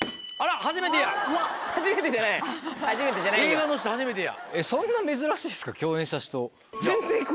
映画の人初めてや。